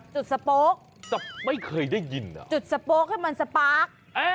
จุดสโปรคไม่เคยได้ยินจุดสโปรคให้มันสปาร์ค